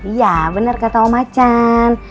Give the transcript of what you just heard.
iya benar kata om macan